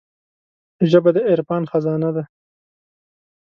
ژبه د عرفان خزانه ده